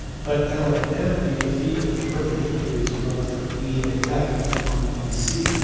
Let L and M be the feet of the perpendiculars drawn from E and F on BC.